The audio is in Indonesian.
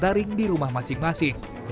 daring di rumah masing masing